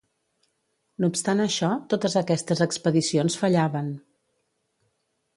No obstant això, totes aquestes expedicions fallaven.